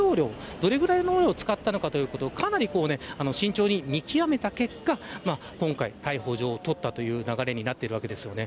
どのぐらいの量を使ったのかということを見極めた結果今回、逮捕状を取ったという流れになっているわけです。